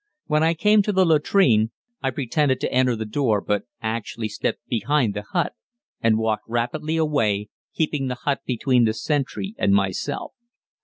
When I came to the latrine, I pretended to enter the door but actually stepped behind the hut, and walked rapidly away, keeping the hut between the sentry and myself.